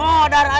nggak ada apa apa